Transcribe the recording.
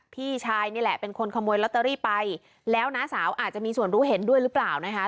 พี่ชายนี่แหละเป็นคนขโมยลอตเตอรี่ไปแล้วน้าสาวอาจจะมีส่วนรู้เห็นด้วยหรือเปล่านะคะ